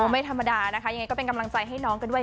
ไม่ธรรมดานะคะยังไงก็เป็นกำลังใจให้น้องกันด้วย